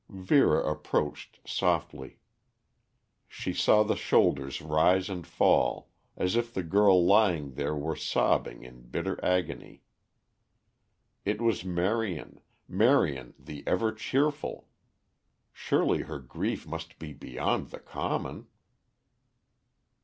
Vera approached softly. She saw the shoulders rise and fall as if the girl lying there were sobbing in bitter agony. It was Marion. Marion the ever cheerful! Surely her grief must be beyond the common?